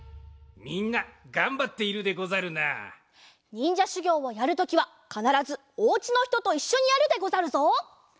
みんながんばっているでござるな。にんじゃしゅぎょうをやるときはかならずおうちのひとといっしょにやるでござるぞ。